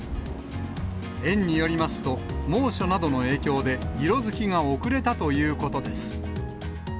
園によりますと、猛暑などの影響で色づきが遅れたということです。